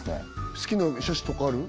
好きな車種とかある？